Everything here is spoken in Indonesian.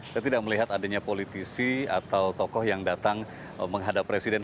saya tidak melihat adanya politisi atau tokoh yang datang menghadap presiden